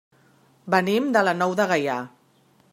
Venim de la Nou de Gaià.